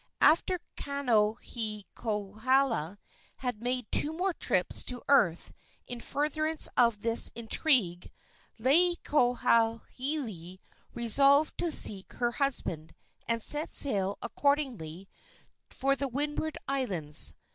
After Kaonohiokala had made two more trips to earth in furtherance of this intrigue, Laielohelohe resolved to seek her husband, and set sail, accordingly, for the windward islands.